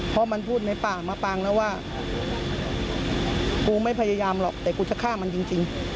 เพราะมันพูดในป่ามาปางแล้วว่ากูไม่พยายามหรอกแต่กูจะฆ่ามันจริง